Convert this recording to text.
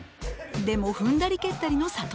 でも踏んだり蹴ったりの諭。